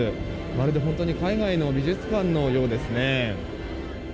まるで本当に海外の美術館のようですね。